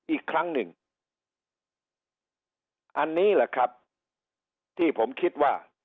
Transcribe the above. อีกครั้งหนึ่งอันนี้แหละครับที่ผมคิดว่า